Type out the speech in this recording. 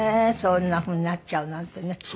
そんなふうになっちゃうなんてね。